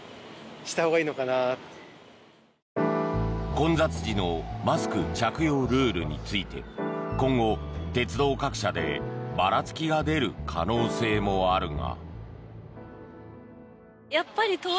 混雑時のマスク着用ルールについて今後、鉄道各社でばらつきが出る可能性もあるが。